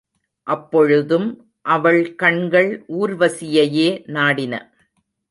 அப்பொழுதும் அவள் கண்கள் ஊர்வசியையே நாடின.